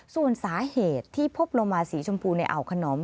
ส่วนสาเหตุที่พบโลมาสีชมพูในอ่าวขนอม